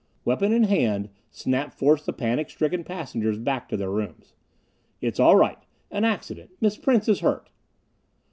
Weapon in hand, Snap forced the panic stricken passengers back to their rooms. "It's all right! An accident! Miss Prince is hurt."